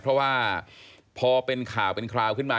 เพราะว่าพอเป็นข่าวเป็นคราวขึ้นมา